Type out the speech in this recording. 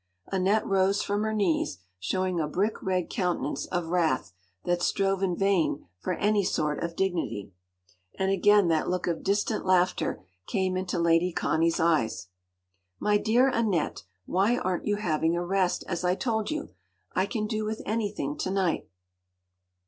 Annette rose from her knees, showing a brick red countenance of wrath that strove in vain for any sort of dignity. And again that look of distant laughter came into Lady Connie’s eyes. “My dear Annette, why aren’t you having a rest, as I told you! I can do with anything to night.